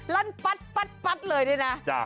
ลั่นปั๊ดเลยนี่นะ